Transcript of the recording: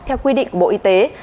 theo quy định của bộ y tế